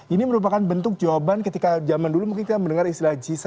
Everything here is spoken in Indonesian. ini merupakan bentuk jawaban ketika zaman dulu mungkin kita mendengar istilah g tujuh